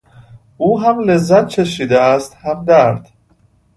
او هم لذت چشیده است هم درد.